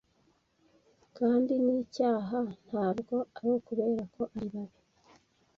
kandi ni icyaha ntabwo ari ukubera ko ari babi